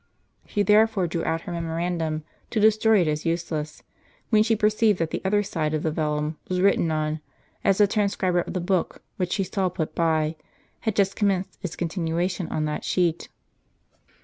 She therefore drew out her memorandum to destroy it as useless, when she perceived that the other side of the vellum was written on ; as the tvanscriber of the book, which she saw put by, had just commenced its continuation on that sheet.